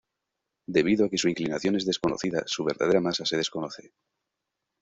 Debido a que su inclinación es desconocida, su verdadera masa se desconoce.